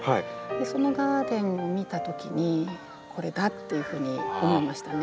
そのガーデンを見たときにこれだ！っていうふうに思いましたね。